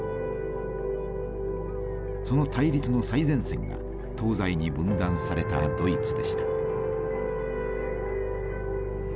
その対立の最前線が東西に分断されたドイツでした。